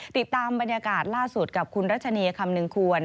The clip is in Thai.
ติดตามบรรยากาศล่าสุดกับคุณรัชนีคำนึงควร